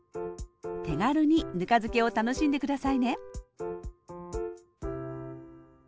手軽にぬか漬けを楽しんで下さいね